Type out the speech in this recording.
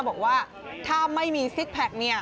บอกว่าถ้าไม่มีซิกแพคเนี่ย